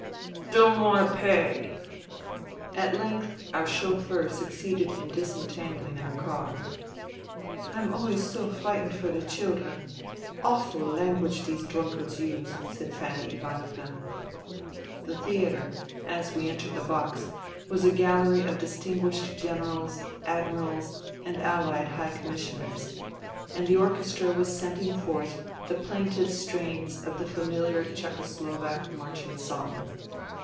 "Don't want to pay." At length our chauffeur succeeded in disentanghng our car. " I'm always so frightened for the children. Awful language these drunkards use," said Fanny Ivanovna. The theatre, as we entered the box, was a gallery of distinguished generals, admirals and Allied high commissioners ; and the orchestra was sending forth the plaintive strains of the famihar Czecho Slovak marching song.